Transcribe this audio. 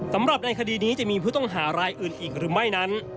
สำหรับในคดีนี้จะมีผู้ต้องหารายอื่นอีกหรือไม่นั้น